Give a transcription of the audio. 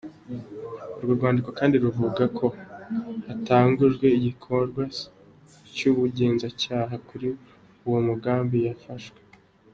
Urwo rwandiko kandi ruvuga ko hatangujwe igikorwa c'ubugenzacaha kuri uwo mugabo yafashwe.